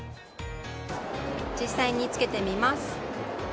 実際に着けてみます。